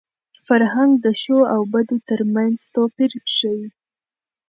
فرهنګ د ښو او بدو تر منځ توپیر ښيي.